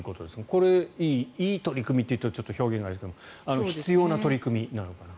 これは、いい取り組みというと表現があれですが必要な取り組みなのかなと。